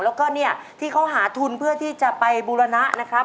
แล้วก็เนี่ยที่เขาหาทุนเพื่อที่จะไปบูรณะนะครับ